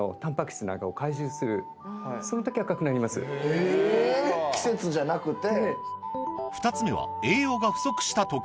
へぇ季節じゃなくて。